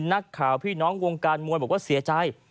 นักข่าวพี่น้องวงการมวยบอกว่าเสียใจ